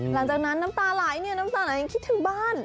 หลังจากนั้นน้ำตาไหลเนี่ยน้ำตาไหลยังคิดถึงบ้าน